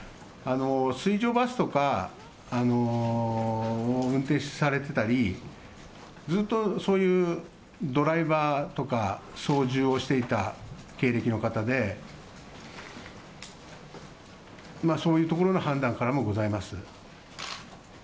水上バスとかを運転されてたり、ずっとそういうドライバーとか、操縦をしていた経歴の方で、そういうところの判断からもございます。